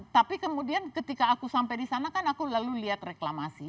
tapi kemudian ketika aku sampai di sana kan aku lalu lihat reklamasi